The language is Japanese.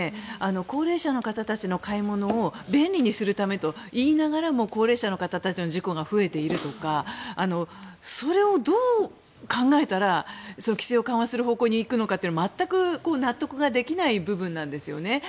高齢者の方たちの買い物を便利にするためといいながらも高齢者の方たちの事故が増えているとかそれをどう考えたら規制を緩和する方向に行くのかって全く納得ができない部分なんですよね。